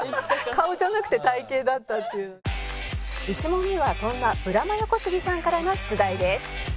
１問目はそんなブラマヨ小杉さんからの出題です。